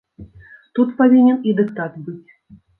Тут павінен і дыктат быць.